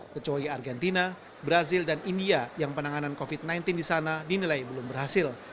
kecuali argentina brazil dan india yang penanganan covid sembilan belas di sana dinilai belum berhasil